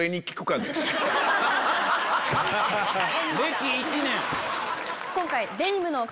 歴１年！